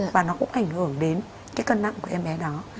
và nó cũng ảnh hưởng đến cái cân nặng của em bé đó